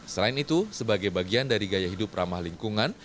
selain itu sebagai bagian dari gaya hidup ramah lingkungan